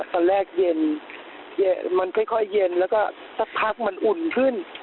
ตอนแรกเย็นมันค่อยเย็นแล้วก็สักพักมันอุ่นขึ้น